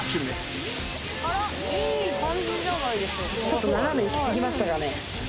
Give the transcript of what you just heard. ちょっと斜めいきすぎましたかね